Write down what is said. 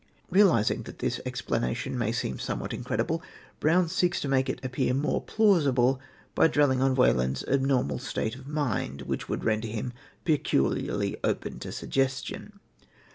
Realising that this explanation may seem somewhat incredible, Brown seeks to make it appear more plausible by dwelling on Wieland's abnormal state of mind, which would render him peculiarly open to suggestion.